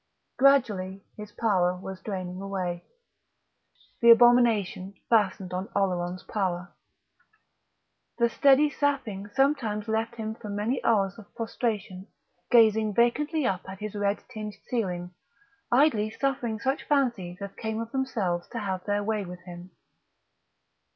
Gradually his power was draining away. The Abomination fastened on Oleron's power. The steady sapping sometimes left him for many hours of prostration gazing vacantly up at his red tinged ceiling, idly suffering such fancies as came of themselves to have their way with him.